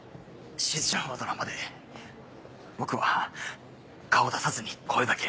しずちゃんはドラマで僕は顔出さずに声だけ。